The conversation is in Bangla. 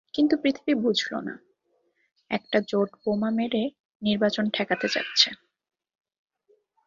কিন্তু পৃথিবী বুঝল না, একটা জোট বোমা মেরে নির্বাচন ঠেকাতে চাচ্ছে।